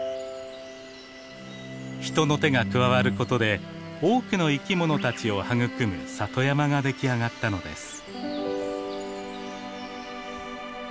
人の手が加わることで多くの生きものたちを育む里山が出来上がったのです。